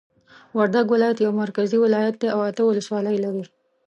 وردګ ولایت یو مرکزی ولایت دی او اته ولسوالۍ لری